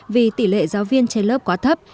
vì tỷ lệ giáo viên trên lớp quá thấp